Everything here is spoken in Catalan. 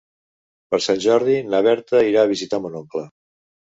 Per Sant Jordi na Berta irà a visitar mon oncle.